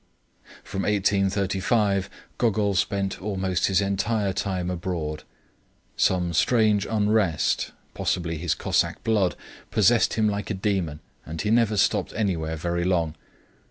From 1835 Gogol spent almost his entire time abroad; some strange unrest possibly his Cossack blood possessed him like a demon, and he never stopped anywhere very long.